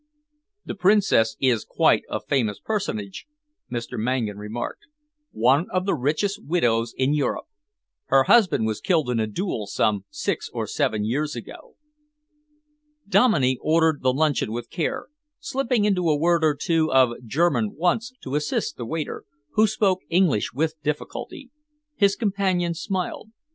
"The Princess is quite a famous personage," Mr. Mangan remarked, "one of the richest widows in Europe. Her husband was killed in a duel some six or seven years ago." Dominey ordered the luncheon with care, slipping into a word or two of German once to assist the waiter, who spoke English with difficulty. His companion smiled.